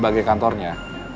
dia juga sebagai kantornya